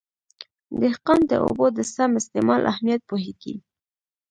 دهقان د اوبو د سم استعمال اهمیت پوهېږي.